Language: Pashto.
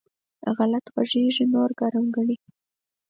غلط غږېږي؛ نور ګرم ګڼي.